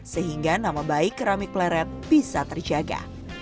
sehingga nama baik keramik pleret bisa terjaga